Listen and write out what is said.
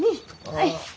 はい。